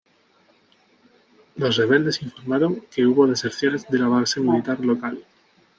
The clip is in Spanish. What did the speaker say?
Los rebeldes informaron que hubo deserciones de la base militar local.